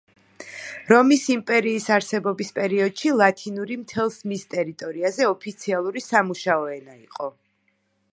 რომის იმპერიის არსებობის პერიოდში ლათინური მთელს მის ტერიტორიაზე ოფიციალური სამუშაო ენა იყო.